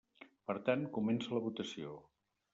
Per tant, comença la votació.